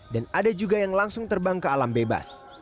dan ada juga yang langsung terbang ke alam bebas